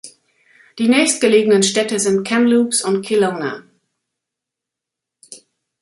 Die nächstgelegenen Städte sind Kamloops und Kelowna.